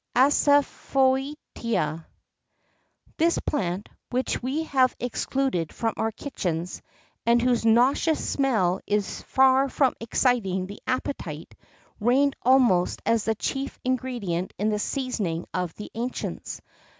ASAFŒTIDA. This plant, which we have excluded from our kitchens, and whose nauseous smell is far from exciting the appetite, reigned almost as the chief ingredient in the seasoning of the ancients.